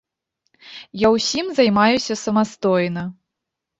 Я ўсім займаюся самастойна.